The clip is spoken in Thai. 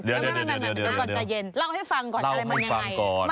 เดี๋ยวก่อนใจเย็นเล่าให้ฟังก่อนอะไรมันยังไง